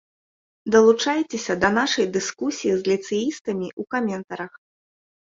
Далучайцеся да нашай дыскусіі з ліцэістамі ў каментарах.